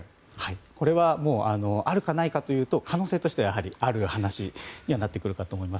これはあるかないかというと可能性としてはやはりある話にはなってくるかと思います。